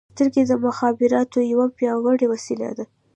• سترګې د مخابراتو یوه پیاوړې وسیله ده.